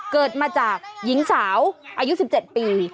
เกิดมาจากหญิงสาวอายุ๑๗ปี